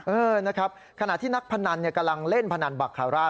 เออนะครับขณะที่นักพนันกำลังเล่นพนันบักคาร่า